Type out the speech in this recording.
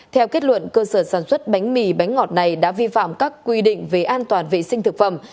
theo kết luận cơ sở sản xuất bánh mì bánh ngọt này đã vi phạm các quy định về an toàn vệ sinh thực phẩm